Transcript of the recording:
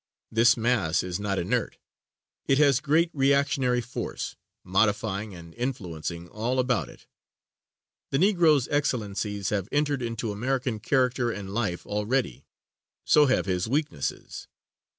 This mass is not inert; it has great reactionary force, modifying and influencing all about it. The Negro's excellences have entered into American character and life already; so have his weaknesses.